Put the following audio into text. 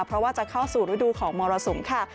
เพราะว่าจะเข้าสู่ฤดูของมรสุมค่ะ